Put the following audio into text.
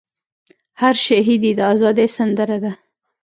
هر شهید ئې د ازادۍ سندره ده